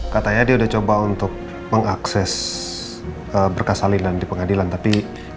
katanya dia udah coba untuk mengakses berkas salinan di pengadilan tapi